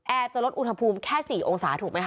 จะลดอุณหภูมิแค่๔องศาถูกไหมค